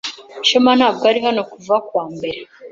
Shema ntabwo ari hano kuva kuwa mbere.